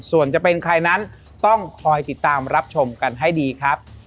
ส่วนจะเป็นใครนั้นต้องคอยติดตามรับชมกันให้ดีครับ